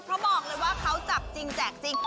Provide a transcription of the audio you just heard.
เพราะบอกเลยว่าเขาจับจริงแจกจริง